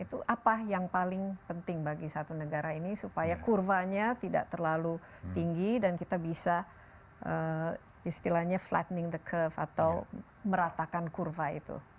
itu apa yang paling penting bagi satu negara ini supaya kurvanya tidak terlalu tinggi dan kita bisa istilahnya flattening the curve atau meratakan kurva itu